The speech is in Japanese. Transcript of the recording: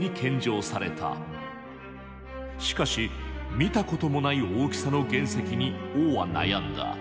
しかし見たこともない大きさの原石に王は悩んだ。